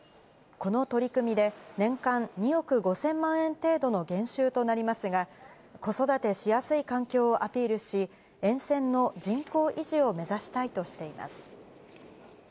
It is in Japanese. この取り組みで、年間２億５０００万円程度の減収となりますが、子育てしやすい環境をアピールし、沿線の人口維持を目指したいとしています。